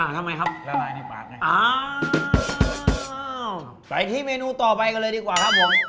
ทำไมครับละลายในปากไงอ่าไปที่เมนูต่อไปกันเลยดีกว่าครับผม